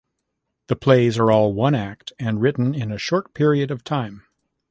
The plays are all one-act, and written in a short period of time.